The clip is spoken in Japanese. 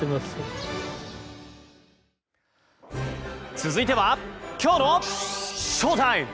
続いてはきょうのＳＨＯＴＩＭＥ！